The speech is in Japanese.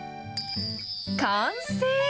完成。